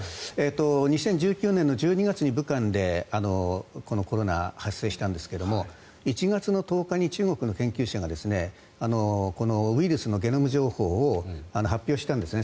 ２０１９年の１２月に武漢でこのコロナ発生したんですけども１月１０日に中国の研究者がこのウイルスのゲノム情報を発表したんですね。